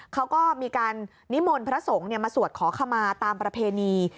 เขาก็มีการนิมนต์พระสงฆ์มาสวดขอขมาตามประเพณี